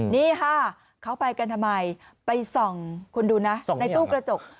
นี่ค่ะเขาไปกันทำไมไปส่องคุณดูนะในตู้กระจก